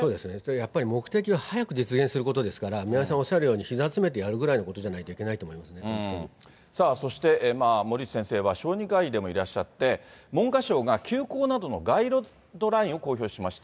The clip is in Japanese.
やっぱり目的は早く実現することですから、宮根さんおっしゃるように、ひざ詰めてやるぐらいじゃないといけさあそして、森内先生は小児科医でもいらっしゃって、文科省が休校などのガイドラインを公表しました。